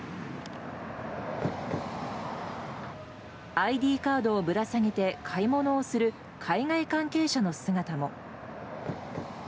ＩＤカードをぶら下げて買い物をする海外関係者の姿も。